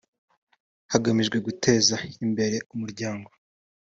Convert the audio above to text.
hagamijwe guteza imbere umuryango